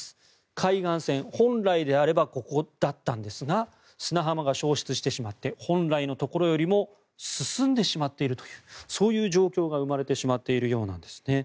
海岸線、本来であればここだったんですが砂浜が消失してしまって本来のところよりも進んでしまっているというそういう状況が生まれてしまっているようなんですね。